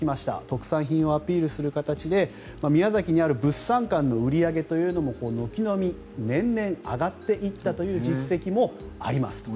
特産品をアピールする形で宮崎にある物産館の売り上げというのも軒並み年々上がっていったという実績もありますと。